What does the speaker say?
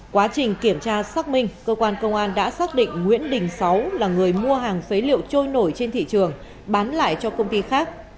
quá trình kiểm tra xác minh cơ quan công an đã xác định nguyễn đình sáu là người mua hàng phế liệu trôi nổi trên thị trường bán lại cho công ty khác